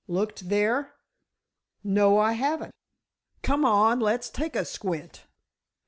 "Looked there?" "No; I haven't." "C'mon, let's take a squint."